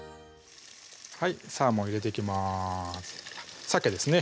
はいサーモン入れていきますさけですね